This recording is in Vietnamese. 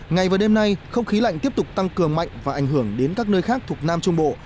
ngày và đêm nay không khí lạnh tiếp tục tăng cường mạnh và ảnh hưởng đến các nơi khác thuộc nam trung bộ